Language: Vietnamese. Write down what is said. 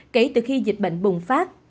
kể từ khi dịch bệnh bùng phát